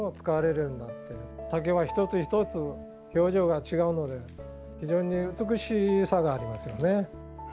竹は一つ一つ表情が違うので非常に美しさがありますよね。